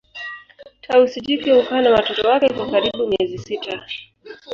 Tausi jike hukaa na watoto wake kwa karibu miezi sita